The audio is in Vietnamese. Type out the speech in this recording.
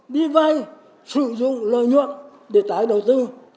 đi vay sử dụng lợi nhuận để tái đầu tư